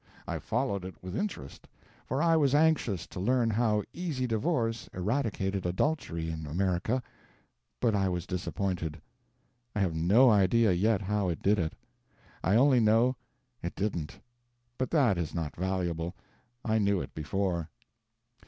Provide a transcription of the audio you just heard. I followed it with interest, for I was anxious to learn how easy divorce eradicated adultery in America, but I was disappointed; I have no idea yet how it did it. I only know it didn't. But that is not valuable; I knew it before.